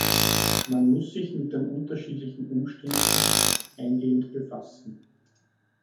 Man muss sich mit den unterschiedlichen Umständen eingehend befassen.